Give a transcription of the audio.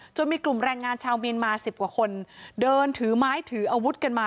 มีกลุ่มแรงงานชาวเมียนมา๑๐กว่าคนเดินถือไม้ถืออาวุธกันมา